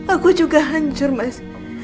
aku juga hancur mas